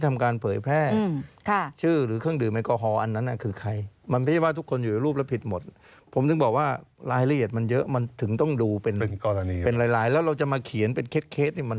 แบบนี้แบบนี้แบบนี้แบบนี้แบบนี้แบบนี้แบบนี้แบบนี้แบบนี้แบบนี้